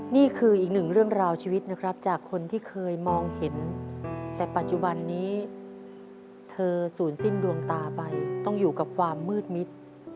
นี่คืออีกหนึ่งเรื่องราวชีวิตนะครับจากคนที่เคยมองเห็นแต่ปัจจุบันนี้เธอศูนย์สิ้นดวงตาไปต้องอยู่กับความมืดมิด